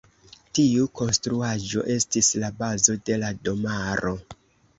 Tiu konstruaĵo estis la bazo de la domaro.